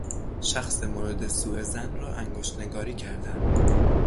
شخص مورد سوظن را انگشت نگاری کردن